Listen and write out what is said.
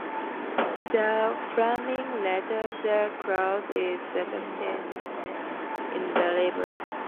The flaming red of the clouds is reflected in the river.